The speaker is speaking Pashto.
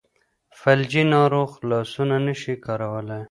فلجي ناروغ لاسونه نشي کارولی.